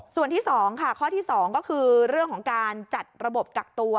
ส่วนที่๒ค่ะข้อที่๒ก็คือเรื่องของการจัดระบบกักตัว